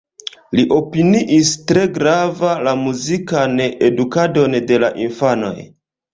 Li opiniis tre grava la muzikan edukadon de la infanoj.